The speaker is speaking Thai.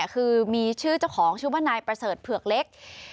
คือมีชื่อเจ้าของชื่อว่านายประเสริฐเผือกเล็ก